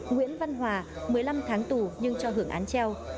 nguyễn văn hòa một mươi năm tháng tù nhưng cho hưởng án treo